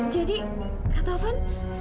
jadi kak taufan